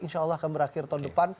insya allah akan berakhir tahun depan